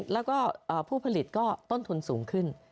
แล้วก็ผู้ผลิตก็ต้นทุนสูงขึ้น